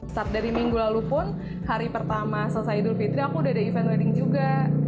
start dari minggu lalu pun hari pertama selesai idul fitri aku udah ada event wedding juga